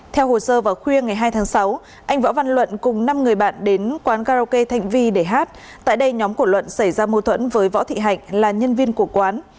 theo hồ sơ vào khuya ngày hai tháng sáu anh võ văn luận cùng năm người bạn đến quán karaoke thanh vi để hát tại đây nhóm của luận xảy ra mâu thuẫn với võ thị hạnh là nhân viên của quán